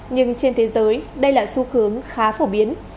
nhưng trên thế giới đây là xu hướng khá phổ biến